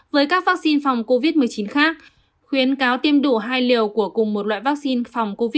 với các vaccine phòng covid một mươi chín khác khuyến cáo tiêm đủ hai liều của cùng một loại vaccine phòng covid một mươi chín